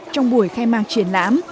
trong buổi khai mạng triển lãm